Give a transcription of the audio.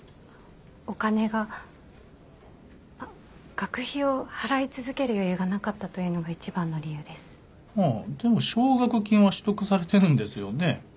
お金が学費を払い続ける余裕がなかったというのが一番の理由ですはあでも奨学金は取得されてるんですよね？